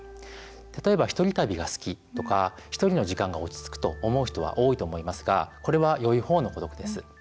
例えば、ひとり旅が好きとかひとりの時間が落ち着くと思う人は多いと思いますがこれは、良い方の孤独です。